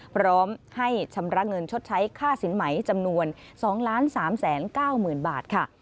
พร้อมให้ชำระเงินชดใช้ค่าสินไหมจำนวน๒๓๙๐๐๐บาทค่ะ